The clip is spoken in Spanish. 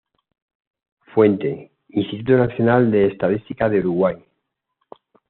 Fuente: "Instituto Nacional de Estadística de Uruguay"